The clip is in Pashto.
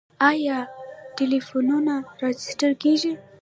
آیا ټلیفونونه راجستر کیږي؟